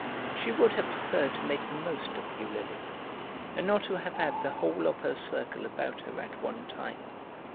She would have preferred to make the most of Eulalie, and not to have had the whole of her circle about her at one time.